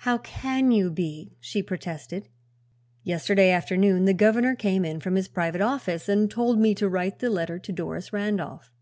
"How can you be?" she protested. "Yesterday afternoon the governor came in from his private office and told me to write the letter to Doris Randolph.